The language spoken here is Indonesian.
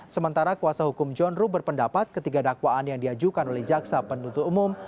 sementara kuasa hukum john ruh berpendapat ketiga dakwaan yang diajukan oleh jaksa penuntut umum